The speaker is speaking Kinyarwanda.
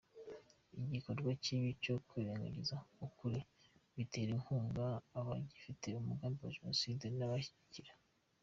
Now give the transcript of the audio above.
Ibikorwa nk’ibi byo kwirengagiza ukuri, bitera inkunga abagifite umugambi wa Jenoside n’ababashyigikira.